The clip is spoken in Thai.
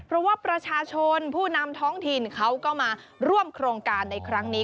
เพราะว่าประชาชนผู้นำท้องถิ่นเขาก็มาร่วมโครงการในครั้งนี้